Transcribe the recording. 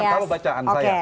sekarang kalau bacaan saya